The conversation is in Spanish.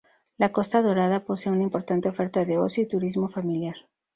La Costa Dorada posee una importante oferta de ocio y turismo familiar.